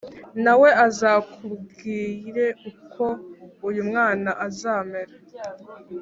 na we azakubwire uko uyu mwana azamera”